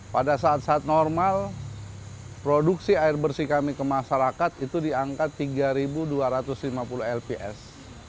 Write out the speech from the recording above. pada saat saat normal produksi air bersih kami ke masyarakat itu di angka tiga dua ratus lima puluh lps